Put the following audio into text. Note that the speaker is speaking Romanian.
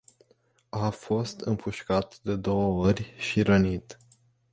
A fost împușcat de două ori și rănit.